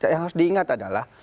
yang harus diingat adalah